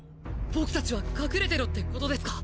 僕達は隠れてろってことですか！？